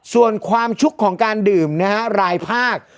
ส่วนความชุกของการดื่มนะฮะรายภาค